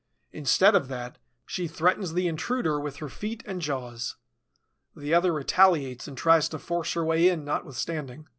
Instead of that, she threatens the intruder with her feet and jaws. The other retaliates and tries to force her way in notwithstanding.